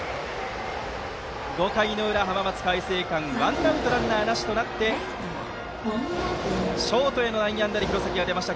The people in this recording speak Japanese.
５回の裏、浜松開誠館はワンアウトランナーなしとなってショートへの内野安打で廣崎が出ました。